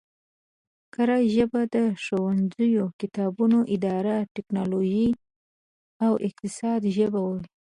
کره ژبه د ښوونځیو، کتابونو، ادارو، ټکنولوژۍ او اقتصاد ژبه وي